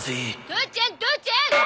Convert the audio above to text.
父ちゃん父ちゃん！